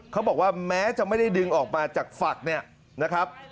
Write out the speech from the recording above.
เขาบอกว่าแม้จะไม่ได้ดึงออกมาจากฝักเนี่ยนะครับ